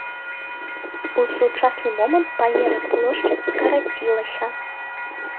У сучасны момант памеры плошчы скарацілася.